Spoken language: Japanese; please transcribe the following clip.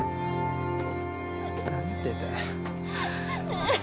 何でだよ